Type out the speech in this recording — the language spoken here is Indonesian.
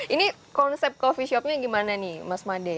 ini konsep kopi shopnya bagaimana mas made